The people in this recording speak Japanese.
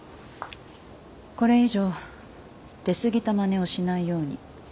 これ以上出過ぎたまねをしないように。